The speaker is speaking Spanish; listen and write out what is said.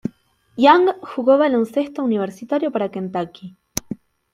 Young jugó baloncesto universitario para Kentucky.